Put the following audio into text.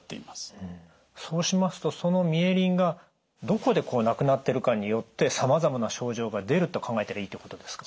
そうしますとそのミエリンがどこでなくなってるかによってさまざまな症状が出ると考えたらいいってことですか？